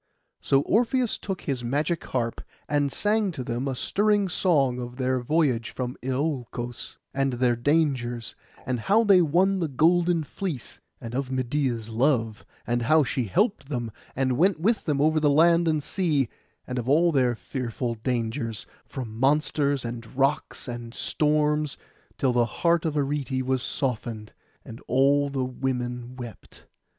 So Orpheus took his magic harp, and sang to them a stirring song of their voyage from Iolcos, and their dangers, and how they won the golden fleece; and of Medeia's love, and how she helped them, and went with them over land and sea; and of all their fearful dangers, from monsters, and rocks, and storms, till the heart of Arete was softened, and all the women wept.